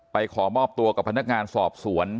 ขอมอบตัวกับพนักงานสอบสวน